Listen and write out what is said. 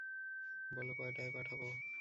বলো কয়টায় পাঠাব?